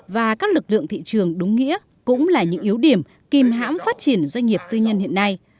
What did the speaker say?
và các lực lượng thị trường đúng nghĩa cũng là những yếu điểm kìm hãm phát triển doanh nghiệp tư nhân hiện nay